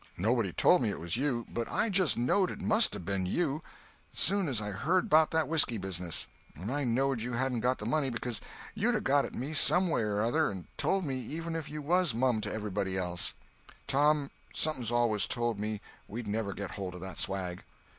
Nobody told me it was you; but I just knowed it must 'a' ben you, soon as I heard 'bout that whiskey business; and I knowed you hadn't got the money becuz you'd 'a' got at me some way or other and told me even if you was mum to everybody else. Tom, something's always told me we'd never get holt of that swag."